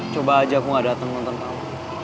coba aja aku gak dateng nonton kamu